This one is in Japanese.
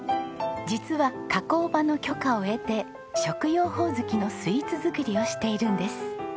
実は加工場の許可を得て食用ホオズキのスイーツ作りをしているんです。